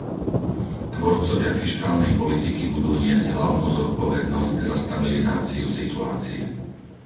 Tvorcovia fiškálnej politiky budú niesť hlavnú zodpovednosť za stabilizáciu situácie.